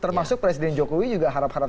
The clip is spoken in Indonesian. termasuk presiden jokowi juga harap harap